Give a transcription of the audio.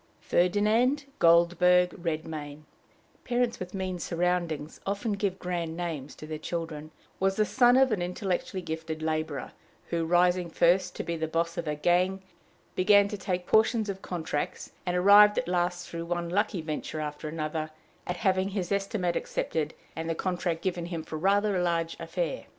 Ferdinand Goldberg Redmain parents with mean surroundings often give grand names to their children was the son of an intellectually gifted laborer, who, rising first to be boss of a gang, began to take portions of contracts, and arrived at last, through one lucky venture after another, at having his estimate accepted and the contract given him for a rather large affair.